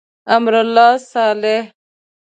امرالله صالح.